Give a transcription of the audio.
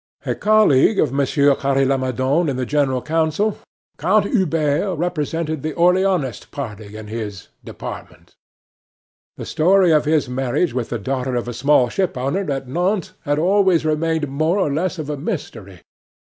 A colleague of Monsieur Carre Lamadon in the General Council, Count Hubert represented the Orleanist party in his department. The story of his marriage with the daughter of a small shipowner at Nantes had always remained more or less of a mystery.